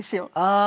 ああ